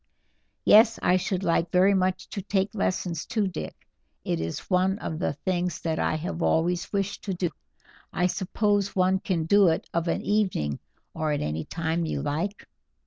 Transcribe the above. "Yes, I should like very much to take lessons too, Dick; it is one of the things that I have always wished to do. I suppose one can do it of an evening, or any time you like?"